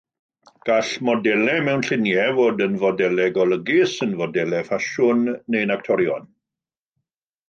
Gall modelau mewn lluniau fod yn fodelau golygus, yn fodelau ffasiwn, neu'n actorion.